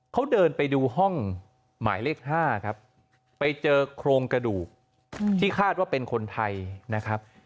เขาเดินไปดูห้องหมายเลข๕ครับไปเจอโครงกระดูกที่คาดว่าเป็นคนไทยนะครับ